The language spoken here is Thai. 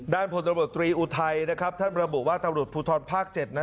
ด้านผลบริบัตรตรีอุทัยท่านบริบุว่าตำรวจภูทรภาค๗น่ะ